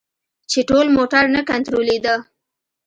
چې ټول موټر نه کنترولیده.